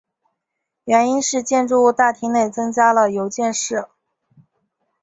原因是建筑物大厅内增加了邮件室。